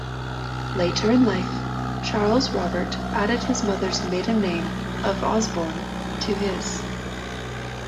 Later in life, Charles Robert added his mother's maiden name of Osborn, to his.